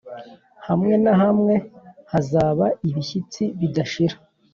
hamwe na hamwe hazaba ibishyitsi bidashira